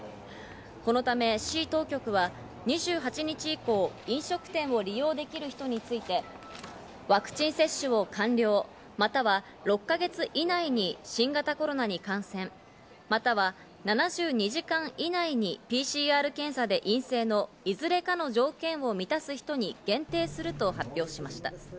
このため市当局は２８日以降、飲食店を利用できる人についてワクチン接種の完了または６か月以内に新型コロナへの感染、または７２時間以内にＰＣＲ検査で陰性のいずれかの条件を満たす人に限定すると発表しました。